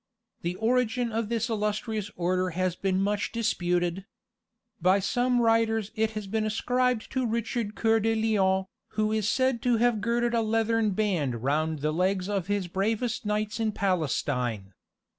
The origin of this illustrious Order has been much disputed. By some writers it has been ascribed to Richard Coeur de Lion, who is said to have girded a leathern band round the legs of his bravest knights in. Palestine.